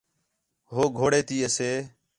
ہو گھوڑے تی اَسے